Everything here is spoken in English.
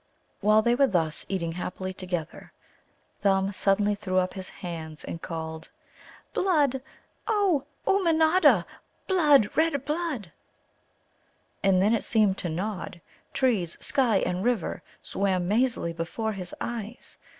While they were thus eating happily together Thumb suddenly threw up his hands and called: "Blood, blood, O Ummanodda blood, red blood!" And then it seemed to Nod, trees, sky, and river swam mazily before his eyes.